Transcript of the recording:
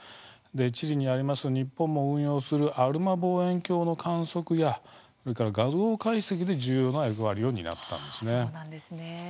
チリにあります日本も運用するアルマ望遠鏡の観測やそれから画像解析で重要な役割を担ったんです。